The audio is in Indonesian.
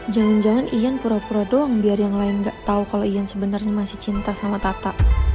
jangan jangan ian pura pura doang biar yang lain nggak tahu kalau ian sebenarnya masih cinta sama tata